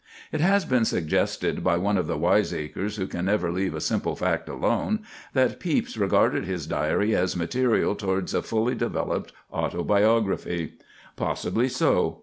It has been suggested by one of the wiseacres who can never leave a simple fact alone, that Pepys regarded his Diary as material towards a fully developed autobiography. Possibly so.